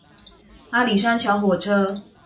阿里山小火車